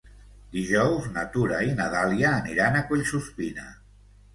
Dijous na Tura i na Dàlia aniran a Collsuspina.